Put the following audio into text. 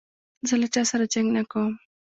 زه له چا سره جنګ نه کوم.